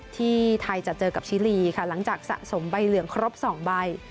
ที่ไทยจะเจอกับชิลีค่ะหลังจากสะสมใบเหลืองครบ๒ใบ